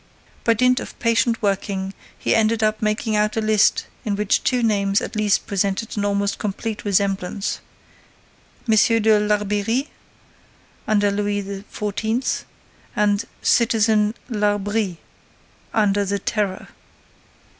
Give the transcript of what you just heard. By dint of patient working, he ended by making out a list in which two names at least presented an almost complete resemblance: M. de Larbeyrie, under Louis XIV., and Citizen Larbrie, under the Terror.